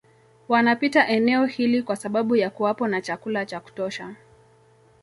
Wanapita eneo hili kwa sababu ya kuwapo na chakula cha kutosha